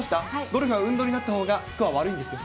ゴルフは運動になったほうが、スコアは悪いんですよ。